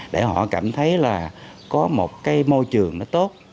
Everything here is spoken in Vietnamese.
để họ cảm thấy là có một cái môi trường nó tốt